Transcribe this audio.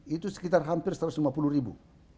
itu sekitar hampir satu ratus lima puluh ribu